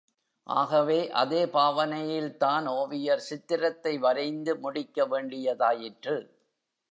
ஆகவே, அதே பாவனையில்தான் ஓவியர் சித்திரத்தை வரைந்து முடிக்க வேண்டியதாயிற்று.